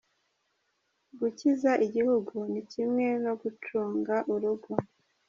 Gukiza igihugu ni kimwe no gucunga urugo.